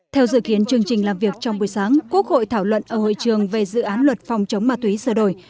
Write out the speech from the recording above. theo dự kiến chương trình làm việc trong buổi sáng quốc hội thảo luận ở hội trường về dự án luật phòng chống ma túy sửa đổi